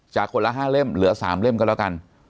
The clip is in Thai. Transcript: คนละ๕เล่มเหลือ๓เล่มก็แล้วกัน